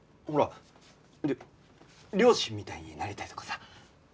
ほら「両親みたいになりたい」とかさ。